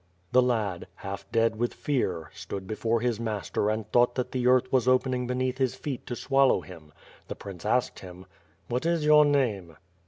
The lad, half dead with fear, stood before his master and thought that the earth was opening beneath his feet to swal low him. The prince asked him: "What is your name?"